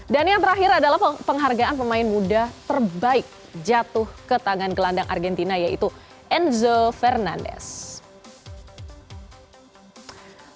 dan yang terakhir adalah penghargaan pemain muda terbaik jatuh ke tangan gelandang argentina yaitu enzo fernandez